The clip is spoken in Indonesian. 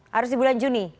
harus di bulan juni